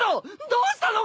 どうしたの！？